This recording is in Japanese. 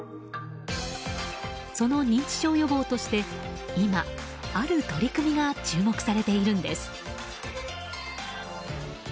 その認知症予防として今、ある取り組みが注目されているんです。